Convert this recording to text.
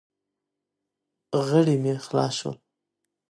غړي مې خلاص شول.